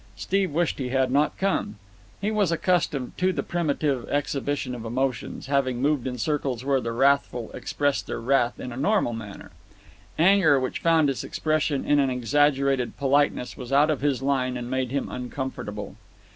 Steve wished he had not come. He was accustomed to the primitive exhibition of emotions, having moved in circles where the wrathful expressed their wrath in a normal manner. Anger which found its expression in an exaggerated politeness was out of his line and made him uncomfortable.